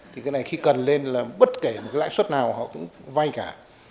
thì cái này khi cần lên là bất kể lãi suất nào họ cũng vai cả